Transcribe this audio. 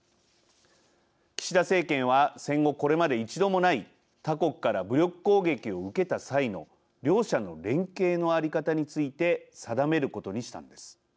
岸田政権は戦後これまで一度もない他国から武力攻撃を受けた際の両者の連携の在り方について定めることにしたのです。